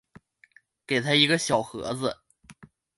给他一个小盒子